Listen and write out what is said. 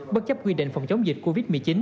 bất chấp quy định phòng chống dịch covid một mươi chín